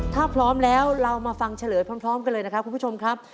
ถ้าพร้อมแล้วเรามาฟังเฉลยพร้อมกันเลยนะครับคุณผู้ชมครับ